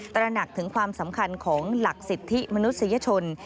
ตระหนักถึงความสำคัญของหลักสิทธิมนุษยชน